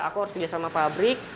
aku harus kerja sama pabrik